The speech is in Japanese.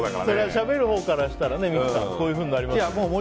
しゃべるほうからしたら三木さん、こういうふうになりますよね。